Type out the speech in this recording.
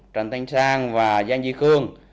trần thanh sang và danh duy khương